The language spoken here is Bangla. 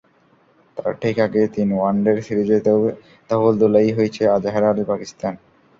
তার ঠিক আগেই তিন ওয়ানডের সিরিজে তো ধবলধোলাই-ই হয়েছে আজহার আলীর পাকিস্তান।